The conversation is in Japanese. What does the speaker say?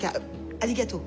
ありがとう。